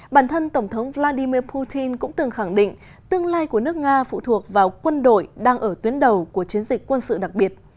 bản thân tổng thống vladimir putin cũng từng khẳng định tương lai của nước nga phụ thuộc vào quân đội đang ở tuyến đầu của chiến dịch quân sự đặc biệt